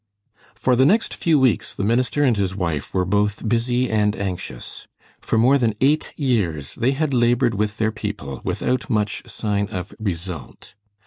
For the next few weeks the minister and his wife were both busy and anxious. For more than eight years they had labored with their people without much sign of result.